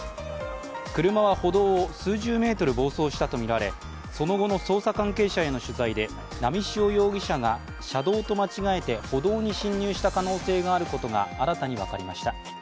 車は歩道を数十メートル暴走したとみられその後の捜査関係者への取材で、波汐容疑者が車道と間違えて歩道に進入した可能性があることが新たに分かりました。